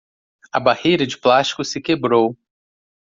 A barreira de plástico se quebrou.